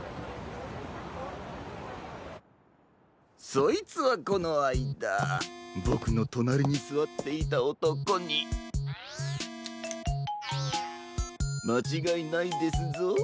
そいつはこのあいだボクのとなりにすわっていたおとこにまちがいないですぞ。